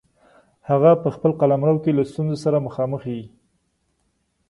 هغه په خپل قلمرو کې له ستونزو سره مخامخ وي.